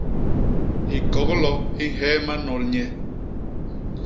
Hikoglo hi nheema nol nye.